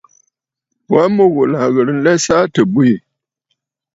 Mu ghùlà à ghɨ̀rə nlɛsə gha tɨ bwiì.